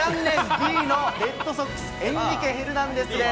Ｂのレッドソックス、エンリケ・ヘルナンデスです。